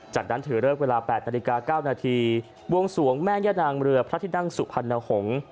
จากนั้นถือเลิกเวลา๘นาฬิกา๙นาทีบวงสวงแม่ย่านางเรือพระที่นั่งสุพรรณหงษ์